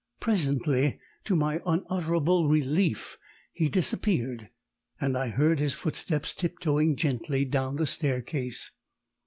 Presently, to my unutterable relief, he disappeared, and I heard his footsteps tiptoeing gently down the staircase.